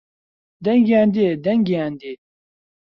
دەنگیان دێ دەنگیان دێ